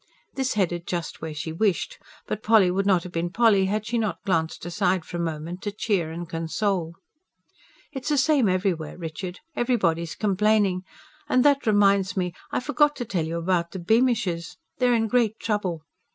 This headed just where she wished. But Polly would not have been Polly, had she not glanced aside for a moment, to cheer and console. "It's the same everywhere, Richard. Everybody's complaining. And that reminds me, I forgot to tell you about the Beamishes. They're in great trouble.